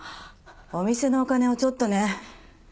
お店のお金をちょっとね